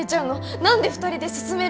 何で２人で進めるの？